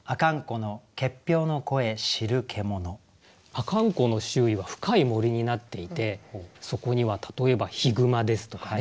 阿寒湖の周囲は深い森になっていてそこには例えばヒグマですとかね